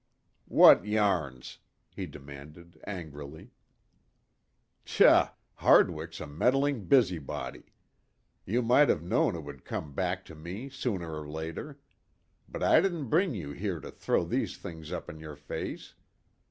"What yarns?" he demanded angrily. "Tchah! Hardwig's a meddling busybody. You might have known it would come back to me sooner or later. But I didn't bring you here to throw these things up in your face.